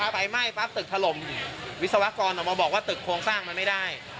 ไฟไหม้ปั๊บตึกถล่มวิศวกรออกมาบอกว่าตึกโครงสร้างมันไม่ได้